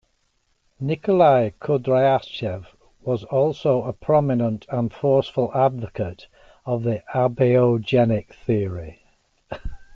Nikolai Kudryavtsev was also a prominent and forceful advocate of the abiogenic theory.